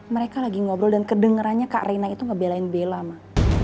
mereka lagi ngobrol dan kedengerannya kak reina itu ngebelain bella ma